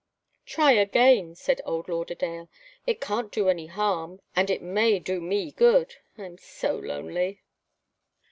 "Try again," said old Lauderdale. "It can't do any harm, and it may do me good. I'm so lonely."